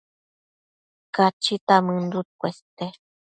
Cachita mënduc cueste